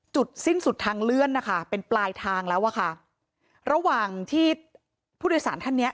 จุดสิ้นสุดทางเลื่อนนะคะเป็นปลายทางแล้วอะค่ะระหว่างที่ผู้โดยสารท่านเนี้ย